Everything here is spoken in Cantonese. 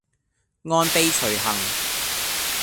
按轡徐行